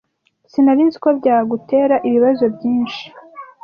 Sinari nzi ko byagutera ibibazo byinshi.